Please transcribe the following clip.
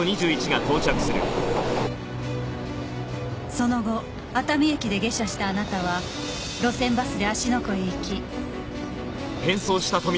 その後熱海駅で下車したあなたは路線バスで芦ノ湖へ行き。